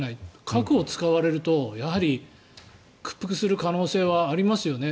核を使われると、やはり屈服する可能性はありますよね。